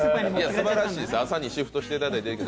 すばらしいです、朝にシフトしていただいて。